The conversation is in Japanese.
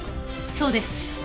そうです。